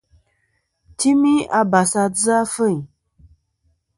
Timi abàs a dzɨ afêyn.